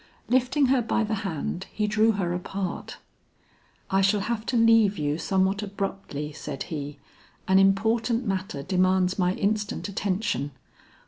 Lifting her by the hand, he drew her apart. "I shall have to leave you somewhat abruptly," said he. "An important matter demands my instant attention.